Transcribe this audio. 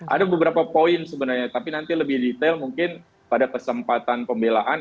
ada beberapa poin sebenarnya tapi nanti lebih detail mungkin pada kesempatan pembelaan